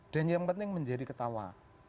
yang penting menjadi ketawa